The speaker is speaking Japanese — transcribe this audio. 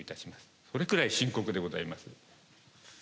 それくらい深刻でございます。